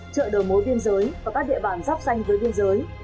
trợ đổi mối biên giới và các địa bàn dọc xanh với biên giới